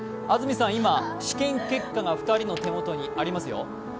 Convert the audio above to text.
安住さん、今、試験結果が２人の手元にありますよ。